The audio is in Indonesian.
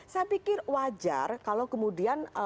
saya pikir wajar kalau kemudian